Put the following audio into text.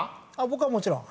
僕はもちろん。